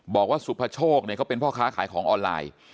บอกว่าสุภโชคเขาเป็นพ่อค้าขายของออนไลน์